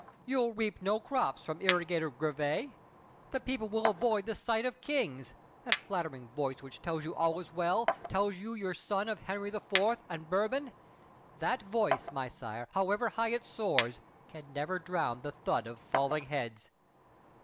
You'll reap no crops from irrigated Grève! The people will avoid the sight of kings. That flattering voice which tells you all is well, Tells you you're son of Henry IV., and Bourbon— That voice, my sire, however high it soars, Can never drown the thud of falling heads!